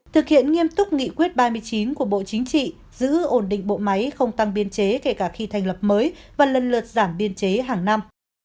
thực hiện nghiêm túc nghị quyết ba mươi chín của bộ chính trị giữ ổn định bộ máy không tăng biên chế kể cả khi thành lập mới và lần lượt giảm biên chế hàng năm